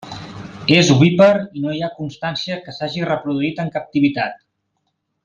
És ovípar i no hi ha constància que s'hagi reproduït en captivitat.